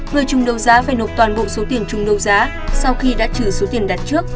người chung đấu giá phải nộp toàn bộ số tiền chung đấu giá sau khi đã trừ số tiền đặt trước